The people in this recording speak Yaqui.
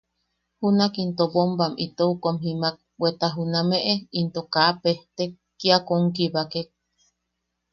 Junak into bombam itou kom jimaak bweta junameʼe into kaa pejtek, kia kom kibakek.